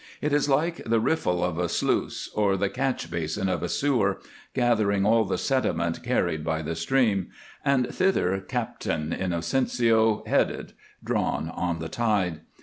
It is like the riffle of a sluice or the catch basin of a sewer, gathering all the sediment carried by the stream, and thither Captain Inocencio headed, drawn on the tide.